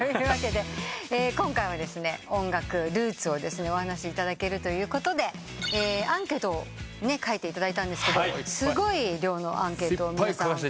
今回は音楽ルーツをお話しいただけるということでアンケートを書いていただいたんですけどすごい量のアンケートを皆さん書いていただいて。